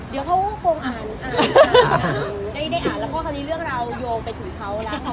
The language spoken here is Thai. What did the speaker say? เดี๋ยวเขาก็คงอ่านได้อ่านแล้วก็คำนี้เลือกเรายงไปถึงเขาแล้ว